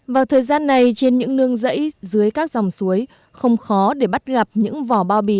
vào thời gian này trên những nương rẫy dưới các dòng suối không khó để bắt gặp những vỏ bao bì